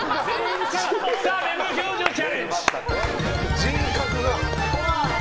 澤部無表情チャレンジ！